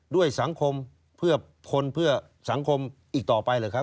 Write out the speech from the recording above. ด้วยสังคมเพื่อคนเพื่อสังคมอีกต่อไปหรือครับ